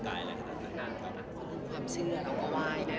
ตอนแหละห้องสอบเล็กแล้ว